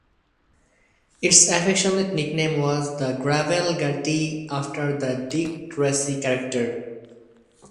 Its affectionate nickname was "The Gravel Gertie" after the Dick Tracy character.